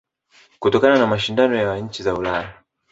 Kutokana na mashindano ya nchi za Ulaya